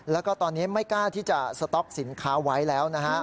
แล้วก็ตอนนี้ไม่กล้าที่จะสต๊อกสินค้าไว้แล้วนะฮะ